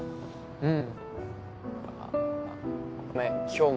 うん。